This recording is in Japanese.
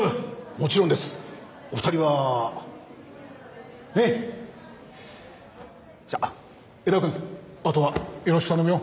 もちろんですお二人はねっじゃあ江田君あとはよろしく頼むよ